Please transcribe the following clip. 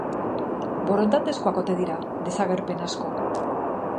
Borondatezkoak ote dira desagerpen asko?